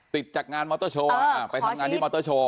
ติดจากงานมอเตอร์โชว์มาครับอ้าวไปทำงานที่มอเตอร์โชว์